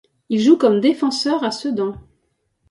Il joue comme défenseur à Sedan.